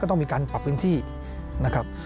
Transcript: ต้องมีการปรับพื้นที่นะครับ